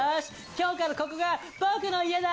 今日からここが僕の家だ！